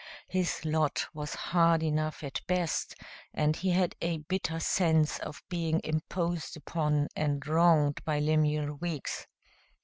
His lot was hard enough at best, and he had a bitter sense of being imposed upon and wronged by Lemuel Weeks.